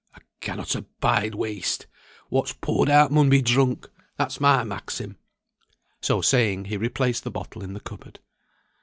"I cannot abide waste. What's poured out mun be drunk. That's my maxim." So saying, he replaced the bottle in the cupboard.